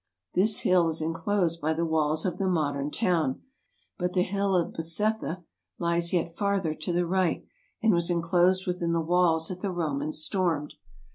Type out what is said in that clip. This hill is inclosed by the walls of the modern town ; but the hill of Bezetha lies yet farther to the right, and was enclosed within the walls that the Romans stormed.